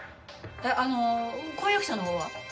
あの婚約者の方は？